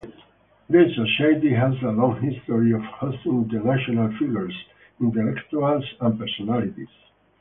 The Society has a long history of hosting international figures, intellectuals and personalities.